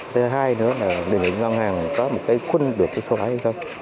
thứ hai nữa là địa ngục ngân hàng có một cái quân được cái số ấy không